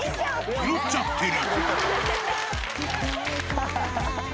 拾っちゃってる